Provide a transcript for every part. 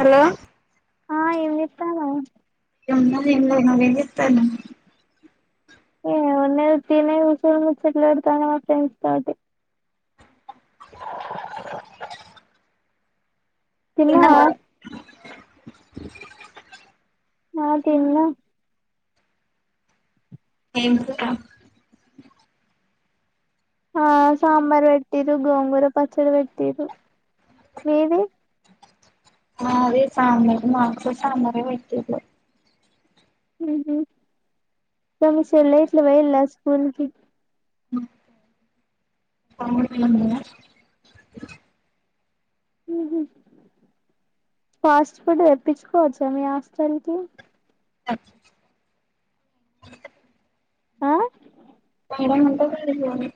hello ఆ ఏం చేస్తాన అన్నం తింటున ఏ ఉన్న తినేసూరు ముచ్చట్లా పెడతాను మా ఫ్రెండ్స్ తోటి [inaudible] తిన్నవా [inaudible] ఆ తిన్న ఏ [unintelligible] ఆ సాంబార్ పెట్టిరు గోంగూర పచ్చడి పెట్టిరు మీది అదే సామ మాస సాామర వటి సమసలట్ల వయలా స్కూల్కి ఫాస్ట్ ఫుడ్ తెప్పించుకోవచ్చా మీ హాస్టల్ కి అే ఆ మేడం ఉంటది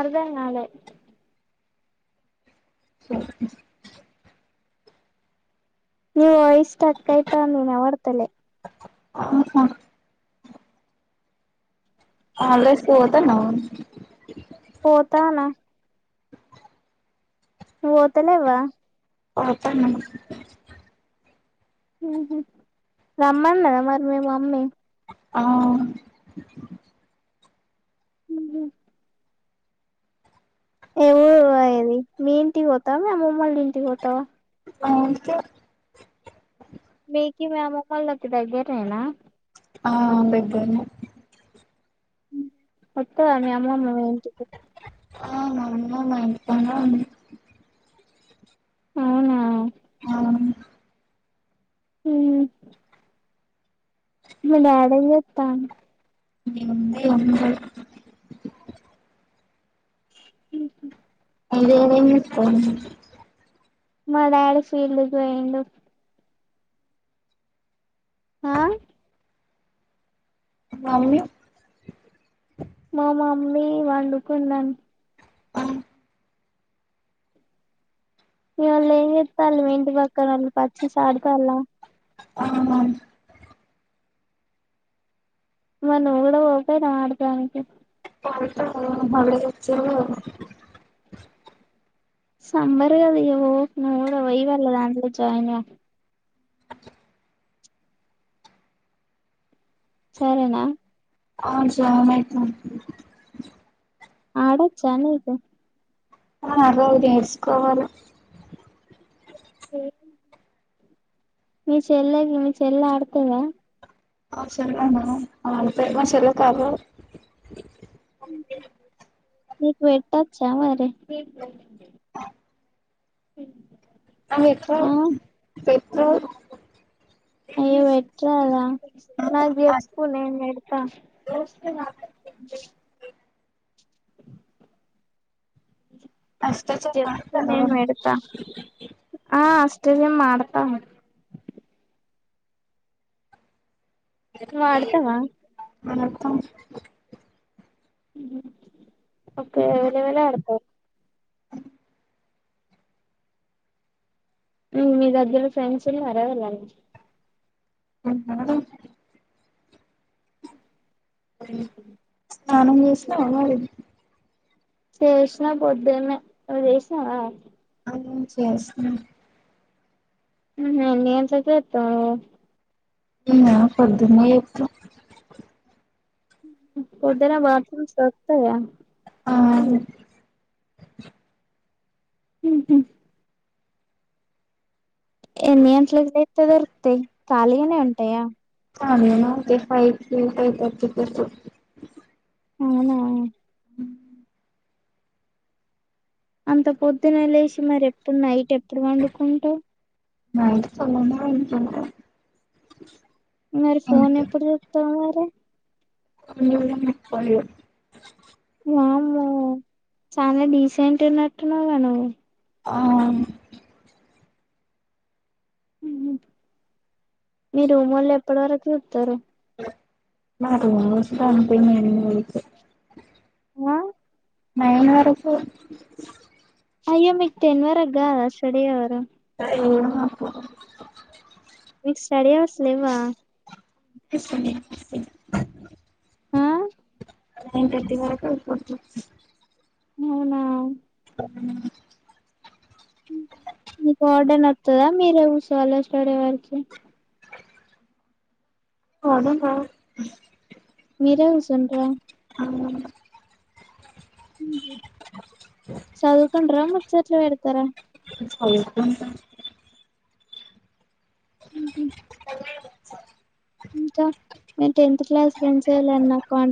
అర్ధానాళ ఓ నవ ఇష్ట కైతా మీనా వర్తలే ఆహా స్కుత న పోతానా పోఓతలేవా ప్ప రమ్మదా మరి మేము మమ్మీ ఆ ఉ ఏవ అది మీ ఇంటికి పోతావా మము మమ్మళ్ళ ఇంటికి పోతావా మా ఇంటికి మీకి మ్యా మమ్మల్లా తందా గరేనా ఇబ మత్త మీ అమ్మమ్ ఏంటి ఆ మా అమ్మ మా ఇంటికాన్నే అవునా హ మనాడ వెతాను ఉంది ఆ ఏముంది ఏం అదిస్త [inaudible] మడయాడ ఫీల్డ్కి పోయిడు ఆ మమ్మీ మా మామ్మీ వండుకున్నాను ఆ ఇవల్ హంగితా అల్ మెంటి పకారు పచ్చి సడదా అలా ఆ మరి నువ్వు కూడా పోకద ఆడటానికి మ వచ్చ సంబర్గాద నుడ వయ వెళ్ళ దాంట్లో జాయిన్ సరేనా [unintelligible] ఆడా చానా అయితాయ్ అగో నేర్చుకోవాలి మీ చెల్లె మీ చెల్లె ఆడుకోదా ఆ చెల్లిన ఆ మా చెల్లి కాదు మీకు పెట్టచ్చా మరి పె ఆమెకు పెట్ నువ్వు అయ్యో పెట్టరా నాకు చెప్పు నేను పెడతా అష్టచమ్మ చెప్పు నేను చదవడం పెడతా ఆ తియ్యం ఆడుతాము నువ్వు ఆడుతావా ఆడుతాం ఓకే ఎవరెవరు ఆడతారు మీ దగ్గర ఫ్రెండ్స్ ఉన్నారా ఎవరైనా ఫ్రెండ్సా ఉ స్నానం చేసినావా మరి చేసిన పొద్దున్నే నువ్వు చేసినావా అ చేసిన ఊహు ఎంతకు చేస్తావు నువ్వు నేనా పొద్దున్నే చేస్తా పొద్దున్నే బాత్రూమ్స్ దొరుకుతాయా ఆ హు హు ఎన్ని గంటలకి అయితే దొరుకుతాయి ఖాళీగానే ఉంటాయా హా నేనొకటి ఫైవ్ కి ఫైవ్ థర్టీ కి దొరుకుతాయి అవునా అంత పొద్దున్నే లేసి మరి ఎప్పుడు నైట్ ఎ ఎప్పుడు పండుకుంటావు నైట్ తొందరగానే పడుకుంటా మరి ఫోన్ అంతే ఎప్పుడు చూస్తావు అ [inaudible] వామ్మో చాలా డీసెంట్ ఉన్నట్టున్నావ్ గా నువ్వు ఆ అవును మీ రూమ్ వాళ్ళు ఎప్పటి వరకు చూస్తారు మామ రూమ్ మీట్స్ అంతే టెన్ మినిట్స్ ఆహ్ నైన్ వరకు అయ్యో మీకు టెన్ వరగ్గాద స్టడీ అవరు ఏమో మీక్ స్టడీ అవర్స్ ల్లేవా పిస్తుంది వినిపిస్తుంది ఆ టెన్ థర్టీ వరకు అయిపోతు అవునా ఆహ్ త్తర మీరు సోలో స్టడీ అవర్ కి అదుందా మీరు సుండ్ర మ్మ్ హు చదువుకుంటరా మల్ చుచ్చు లు పెడతారా చదువుకుంటాం [inaudible] ఇంకా నేన్ టెన్త్ క్లాస్ ఫ్రెండ్స్ ఎవలన్న కాంటాక్